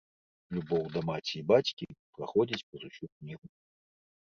Любоў да маці і бацькі праходзяць праз усю кнігу.